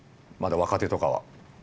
まだ若手とかは。